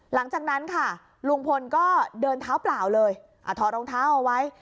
หลังจากนั้นค่ะลุงพลก็เดินเท้าเปล่าเลยถอดรองเท้าเอาไว้